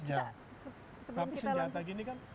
tapi senjata gini kan